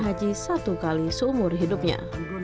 haji satu kali seumur hidupnya